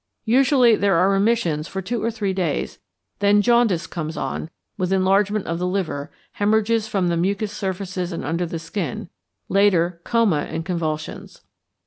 Usually there are remissions for two to three days, then jaundice comes on, with enlargement of the liver; hæmorrhages from the mucous surfaces and under the skin; later, coma and convulsions.